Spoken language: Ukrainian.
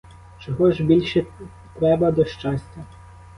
Чого ж більше треба до щастя?